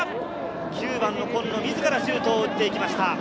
９番の今野、自らシュートを打っていきました。